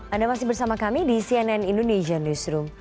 anda masih bersama kami di cnn indonesia newsroom